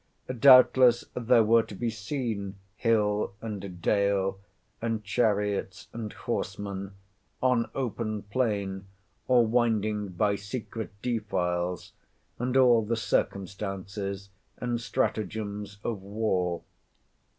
Doubtless there were to be seen hill and dale, and chariots and horsemen, on open plain, or winding by secret defiles, and all the circumstances and stratagems of war.